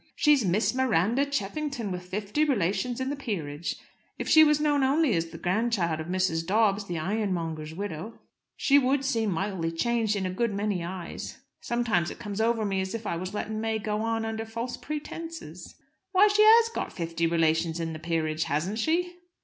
She's Miss Miranda Cheffington, with fifty relations in the peerage. If she was known only as the grandchild of Mrs. Dobbs, the ironmonger's widow, she would seem mightily changed in a good many eyes. Sometimes it comes over me as if I was letting May go on under false pretences." "Why, she has got fifty relations in the peerage, hasn't she?"